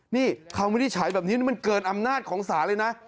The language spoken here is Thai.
นี่คำวินิจฉัยแบบนี้มันเกินอำนาจของศาลเลยนะ